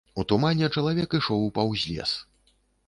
У тумане чалавек ішоў паўз лес.